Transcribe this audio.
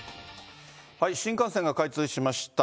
新幹線が開通しました、